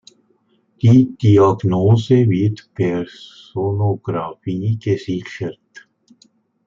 Die Diagnose wird per Sonographie gesichert.